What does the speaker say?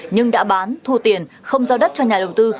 nhưng đã bán thu tiền không giao đất cho nhà đầu tư